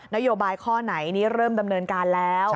โยบายข้อไหนนี้เริ่มดำเนินการแล้ว